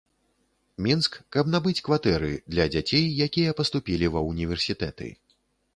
Мінск, каб набыць кватэры, для дзяцей, якія паступілі ва ўніверсітэты.